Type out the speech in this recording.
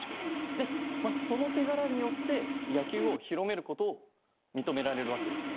でその手柄によって野球を広める事を認められるわけですね。